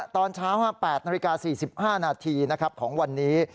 ตอนเช้า๘๔๕นของวันนี้